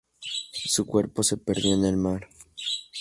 Su cuerpo se perdió en el mar.